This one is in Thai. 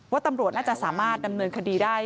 ตำรวจน่าจะสามารถดำเนินคดีได้